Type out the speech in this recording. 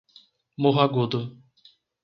Morro Agudo